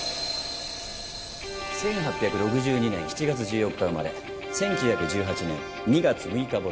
１８６２年７月１４日生まれ１９１８年２月６日没。